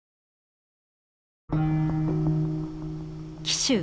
紀州